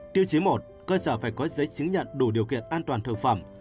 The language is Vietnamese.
tiêu chí một cơ sở phải có giấy chứng nhận đủ điều kiện an toàn thực phẩm